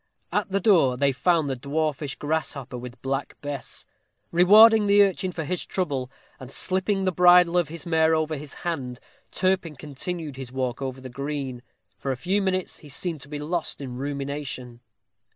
At the door they found the dwarfish Grasshopper with Black Bess. Rewarding the urchin for his trouble, and slipping the bridle of his mare over his hand, Turpin continued his walk over the green. For a few minutes he seemed to be lost in rumination.